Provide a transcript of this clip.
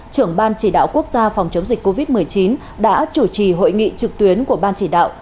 trưởng ban chỉ đạo quốc gia phòng chống dịch covid một mươi chín đã chủ trì hội nghị trực tuyến của ban chỉ đạo